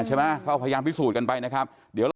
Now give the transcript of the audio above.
ใช่ไหมเขาพยายามพิสูจน์กันไปนะครับ